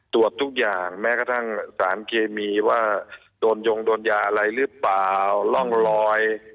ตรวจทุกอย่างแม้กระทั่งสารเคมีว่าโดนยงโดนยาอะไรหรือเปล่าร่องรอย